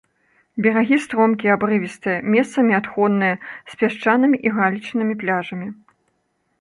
Берагі стромкія абрывістыя, месцамі адхонныя з пясчанымі і галечнымі пляжамі.